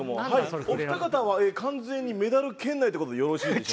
お二方は完全にメダル圏内って事でよろしいでしょうか？